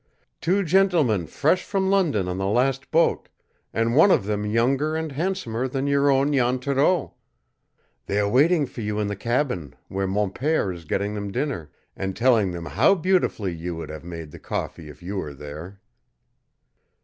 "Two gentlemen fresh from London on the last boat, and one of them younger and handsomer than your own Jan Thoreau. They are waiting for you in the cabin, where mon pere is getting them dinner, and telling them how beautifully you would have made the coffee if you were there."